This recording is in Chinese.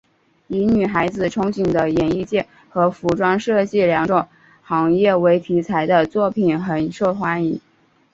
以女孩子憧憬的演艺界和服装设计两种行业为题材的作品很受欢迎。